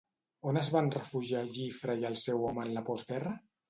On es van refugiar Gifre i el seu home en la postguerra?